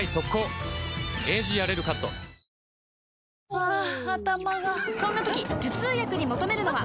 ハァ頭がそんな時頭痛薬に求めるのは？